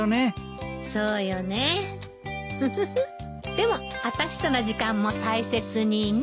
でもあたしとの時間も大切にね。